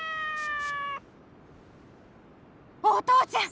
お父ちゃん！